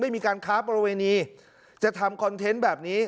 มีการค้าประเวณีจะทำคอนเทนต์แบบนี้